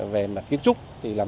về mặt kiến trúc